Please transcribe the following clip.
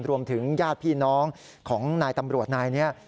รวมถึงญาติพี่น้องของนายตำรวจนายเนี่ย